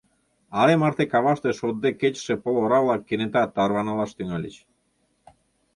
Але марте каваште шотде кечыше пыл ора-влак кенета тарванылаш тӱҥальыч.